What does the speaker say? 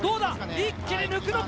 一気に抜くのか？